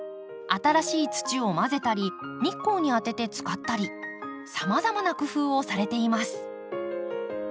新しい土を混ぜたり日光に当てて使ったりさまざまな工夫をされています。